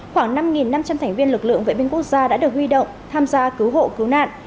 khoảng năm năm trăm linh thành viên lực lượng vệ binh quốc gia đã được huy động tham gia cứu hộ cứu nạn